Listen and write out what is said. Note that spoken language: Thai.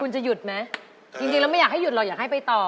จริงแล้วไม่อยากให้หยุดหรอกอยากให้ไปต่อ